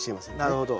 なるほど。